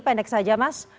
pendek saja mas